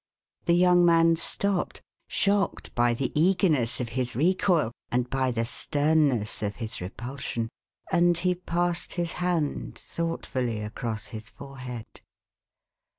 " The young man stopped, shocked by the eagerness of his 470 THE HAUNTED MAN. recoil, and by the sternness of his repulsion ; and he passed his hand, thoughtfully, across his forehead.